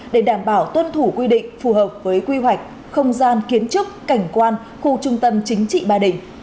để đảm bảo tuân thủ quy định phù hợp với quy hoạch không gian kiến trúc cảnh quan khu trung tâm chính trị ba đình